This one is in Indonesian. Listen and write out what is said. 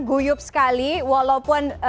guyup sekali walaupun